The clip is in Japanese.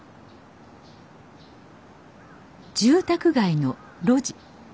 住宅街の路地。